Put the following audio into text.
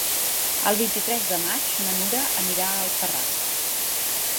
El vint-i-tres de maig na Nura anirà a Alfarràs.